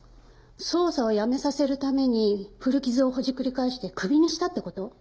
捜査をやめさせるために古傷をほじくり返してクビにしたって事？